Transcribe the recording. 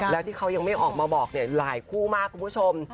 แล้วที่เขายังไม่ออกมาบอกเนี่ยหลายคู่มากคุณผู้ชม